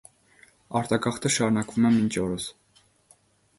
Արտագաղթը շարունակվում է մինչ օրս։